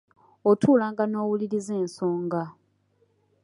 Otuulanga n’owulirirza ensonga.